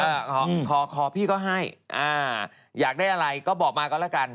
เอาแอร์ออกขอพี่ก็ให้อยากได้อะไรก็บอกมาก็แล้วกัน